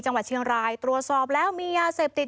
จังหวัดเชียงรายตรวจสอบแล้วมียาเสพติด